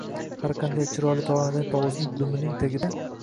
har qanday chiroyli tovlanadigan tovus dumining tagida